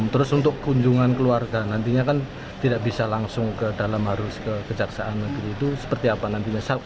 terus untuk kunjungan keluarga nantinya kan tidak bisa langsung ke dalam harus ke kejaksaan negeri itu seperti apa nantinya